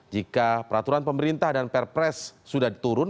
jika peraturan pemerintah dan perpres sudah diturun